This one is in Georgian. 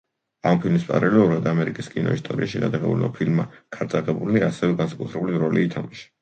ამ ფილმის პარალელურად, ამერიკის კინო ისტორიაში, გადაღებულმა ფილმმა „ქარწაღებულნი“ ასევე განსაკუთრებული როლი ითამაშა.